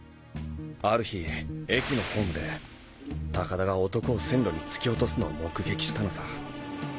ある日駅のホームで高田が男を線路に突き落とすのを目撃したのさ。